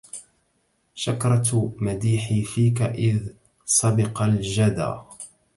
شكرت مديحي فيك إذ سبق الجدا